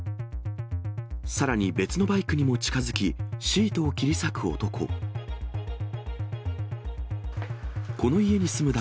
さらに別のバイクにも近づき、シートを切り裂く男。